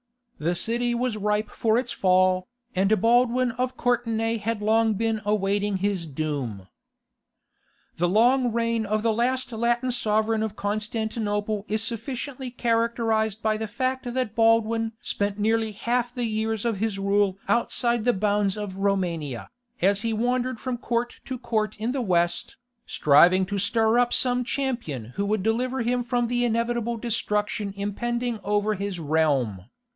The city was ripe for its fall, and Baldwin of Courtenay had long been awaiting his doom. The long reign of the last Latin sovereign of Constantinople is sufficiently characterized by the fact that Baldwin spent nearly half the years of his rule outside the bounds of Romania, as he wandered from court to court in the West, striving to stir up some champion who would deliver him from the inevitable destruction impending over his realm.